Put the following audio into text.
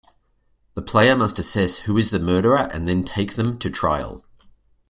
The player must assess who is the murderer and then take them to trial.